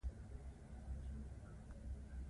همدارنګه پیرویان چې پخوا د ازتېک او انکا اوسېدونکي وو.